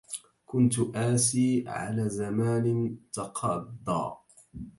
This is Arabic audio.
كنت آسى على زمان تقضى